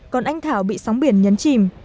còn anh thảo bị sóng biển nhấn chìm